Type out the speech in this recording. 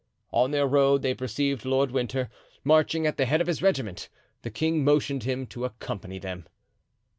On their road they perceived Lord Winter marching at the head of his regiment. The king motioned him to accompany them.